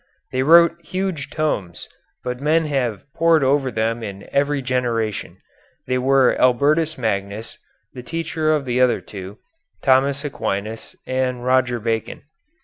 They wrote huge tomes, but men have pored over them in every generation. They were Albertus Magnus, the teacher of the other two, Thomas Aquinas and Roger Bacon.